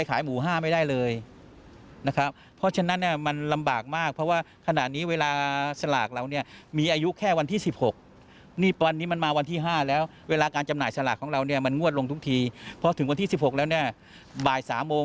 คืออยากว่าจะเดินทางข้ามจังหวัดหรือจะฟัง